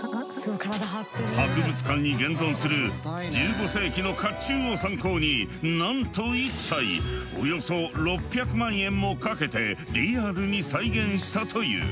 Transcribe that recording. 博物館に現存する１５世紀の甲冑を参考になんと１体およそ６００万円もかけてリアルに再現したという。